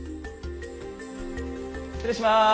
失礼します。